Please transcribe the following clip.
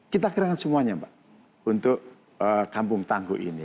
kita kerahkan semuanya mbak untuk kampung tangguh ini